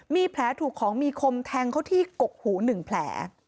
มีแผลถูกของมีคมแทงเขาที่กกหู๑แผล